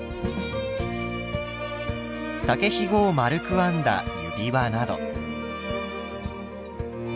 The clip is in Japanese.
竹ひごを丸く編んだ指輪など。